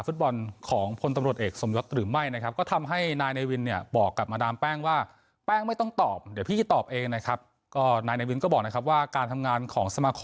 ส่วนอีกขนาดชอตไฮไลท์เลยเลยเลยครับในงานแถลงข่าว